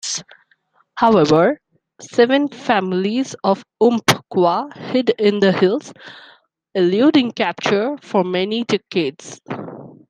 However, seven families of Umpqua hid in the hills, eluding capture for many decades.